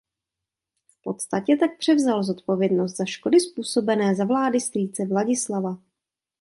V podstatě tak převzal zodpovědnost za škody způsobené za vlády strýce Vladislava.